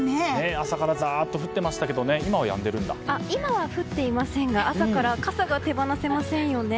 朝からザーッと降っていたけど今は降っていませんが朝から傘が手放せませんよね。